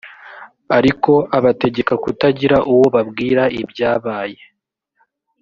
ariko abategeka kutagira uwo babwira ibyabaye